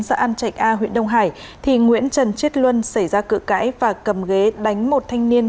giãn chạy a huyện đông hải thì nguyễn trần chiết luân xảy ra cự cãi và cầm ghế đánh một thanh niên